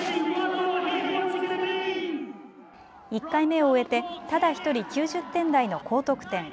１回目を終えてただ１人９０点台の高得点。